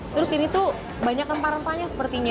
terus ini tuh banyak rempah rempahnya sepertinya